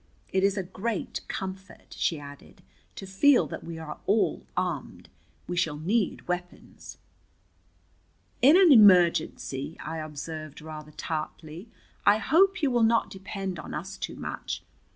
It is a great comfort," she added, "to feel that we are all armed. We shall need weapons." "In an emergency," I observed rather tartly, "I hope you will not depend on us too much.